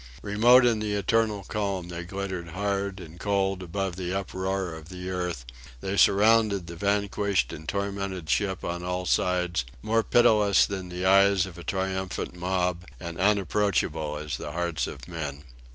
Remote in the eternal calm they glittered hard and cold above the uproar of the earth; they surrounded the vanquished and tormented ship on all sides: more pitiless than the eyes of a triumphant mob, and as unapproachable as the hearts of men.